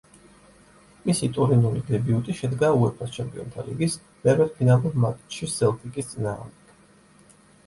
მისი ტურინული დებიუტი შედგა უეფას ჩემპიონთა ლიგის მერვედფინალურ მატჩში სელტიკის წინააღმდეგ.